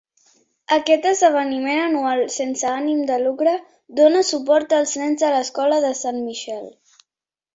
Aquest esdeveniment anual sense ànim de lucre dóna suport als nens de l'escola de Saint Michael.